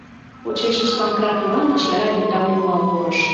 Почешышт Панкрат Иваныч яра ведрам нумал пурыш.